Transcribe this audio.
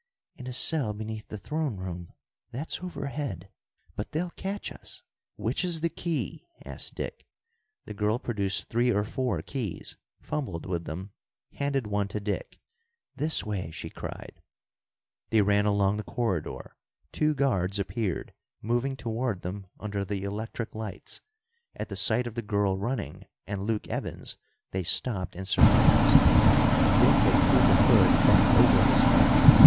"In a cell beneath the throne room. That's overhead. But they'll catch us " "Which is the key?" asked Dick. The girl produced three or four keys, fumbled with them, handed one to Dick. "This way!" she cried. They ran along the corridor. Two guards appeared, moving toward them under the electric lights. At the sight of the girl running, and Luke Evans, they stopped in surprise. Dick had pulled the hood back over his head.